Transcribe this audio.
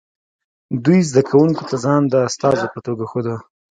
دوی زده کوونکو ته ځان د استازو په توګه ښوده